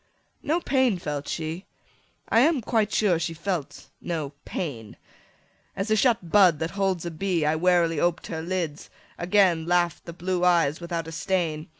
No pain felt she; I am quite sure she felt no pain. As a shut bud that holds a bee, I warily oped her lids: again Laugh'd the blue eyes without a stain.